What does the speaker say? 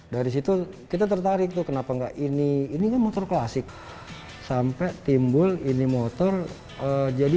dari situ kita tertarik tuh kenapa enggak ini ini motor klasik sampai timbul ini motor jadi